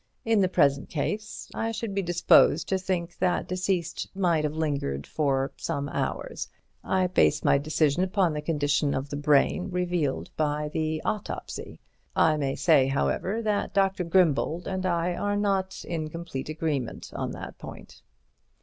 In the present case I should be disposed to think that deceased might have lingered for some hours. I base my decision upon the condition of the brain revealed at the autopsy. I may say, however, that Dr. Grimbold and I are not in complete agreement on the point."